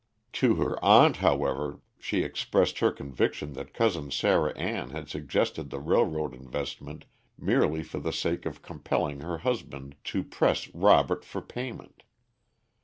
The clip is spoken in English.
To her aunt, however, she expressed her conviction that Cousin Sarah Ann had suggested the railroad investment merely for the sake of compelling her husband to press Robert for payment.